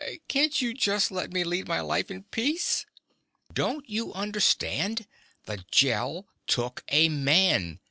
Can't you just let me lead my life in peace?" "Don't you understand? The Gel took a man.